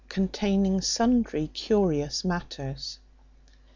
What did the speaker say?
Containing sundry curious matters.